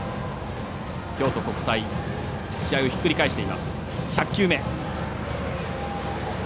京都国際試合をひっくり返しています。